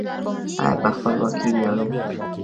آیا په خپلواکۍ ویاړو؟